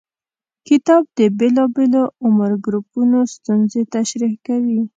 کتاب د بېلابېلو عمر ګروپونو ستونزې تشریح کوي.